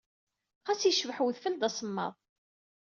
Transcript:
Xas yecbeḥ wedfel, d asemmaḍ.